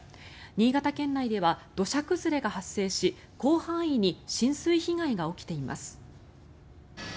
新潟県内では土砂崩れが発生し広範囲に浸水被害が起きています。